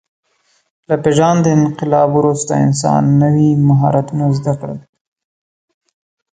له پېژاند انقلاب وروسته انسان نوي مهارتونه زده کړل.